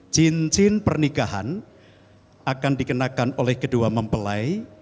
cincin pernikahan akan dikenakan oleh kedua mempelai